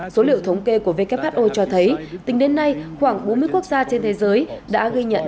số liệu thống kê của who cho thấy tính đến nay khoảng bốn mươi quốc gia trên thế giới đã ghi nhận